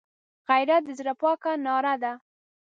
غیرت د زړه پاکه ناره ده